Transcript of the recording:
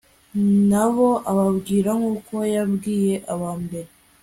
na bo ababwira nk'uko yabwiye aba mbere